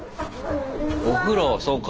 お風呂そうか。